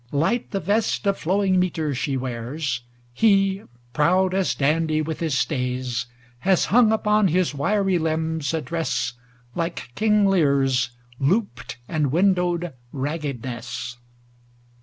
Light the vest of flowing metre She wears; he, proud as dandy with his stays. Has hung upon his wiry limbs a dress Like King Lear's ' looped and windowed raggedness.'